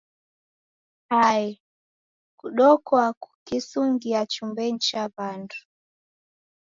Hae, kudokwa kukisungia chumbenyi cha w'andu.